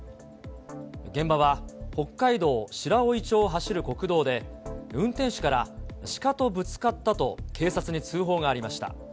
現場は北海道白老町を走る国道で、運転手から、シカとぶつかったと警察に通報がありました。